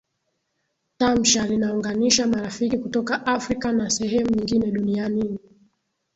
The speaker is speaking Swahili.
Tamsha linaunganisha marafiki kutoka Afrika na sehemu nyingine dunianini